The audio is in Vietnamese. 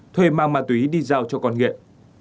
thuê mang ma túy đi giao cho con nghiện